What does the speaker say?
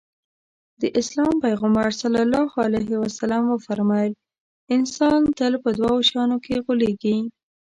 د اسلام پيغمبر ص وفرمايل انسان تل په دوو شيانو کې غولېږي.